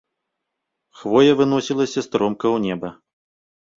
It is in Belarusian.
Хвоя выносілася стромка ў неба.